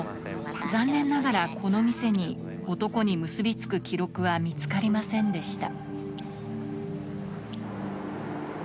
残念ながらこの店に男に結び付く記録は見つかりませんでした